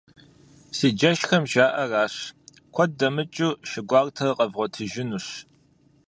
Си джэшхэм жаӀэращ: куэд дэмыкӀыу, шы гуартэр къэвгъуэтыжынущ.